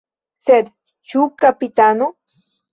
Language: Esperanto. Sed ĉu kapitano?